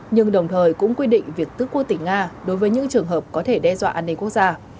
nhưng đồng thời cũng quy định việc tức quốc tỉnh nga đối với những trường hợp có thể đe dọa an ninh quốc gia